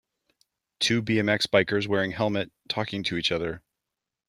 Two BMX bikers wearing helmet talking to each other.